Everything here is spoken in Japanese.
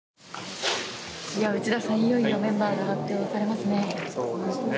内田さん、いよいよメンバーが発表されますね。